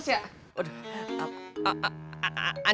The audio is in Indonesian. siapa di mana